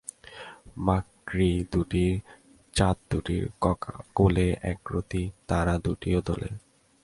মাকড়িদুটির চাদদুটির কোলে একরতি তারাদুটিও দোলে।